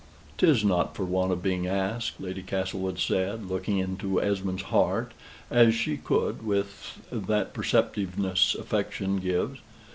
"'Tis not for want of being asked," Lady Castlewood said, looking into Esmond's heart, as she could, with that perceptiveness affection gives.